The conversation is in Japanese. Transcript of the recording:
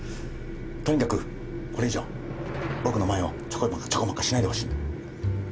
とにかくこれ以上僕の前をちょこまかちょこまかしないでほしいんだ。